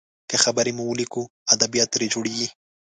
که خبرې مو وليکو، ادبيات ترې جوړیږي.